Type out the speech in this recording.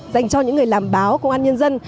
dành cho những người làm báo công an nhân dân